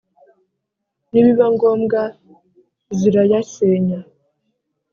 nibiba ngombwa zirayasenya !